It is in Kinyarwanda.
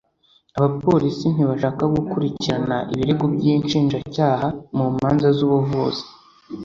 abapolisi ntibashaka gukurikirana ibirego by'inshinjabyaha mu manza z'ubuvuzi